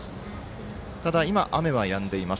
ただ、今、雨はやんでいます。